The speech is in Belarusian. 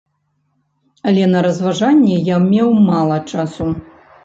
Але на разважанні я меў мала часу.